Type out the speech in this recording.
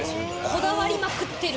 こだわりまくってる。